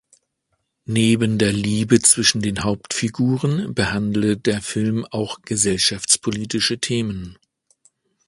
Neben der Liebe zwischen den Hauptfiguren behandele der Film auch gesellschaftspolitische Themen.